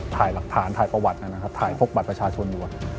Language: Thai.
ถ่ายหลักฐานถ่ายประวัตินะครับถ่ายพวกบัตรประชาชนอยู่